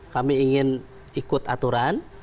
kami ingin ikut aturan